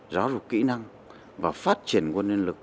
giáo dục kỹ năng và phát triển nguồn nhân lực